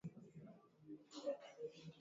Kuchanjwa na afisa wa afya ya mifugo aliyehitimu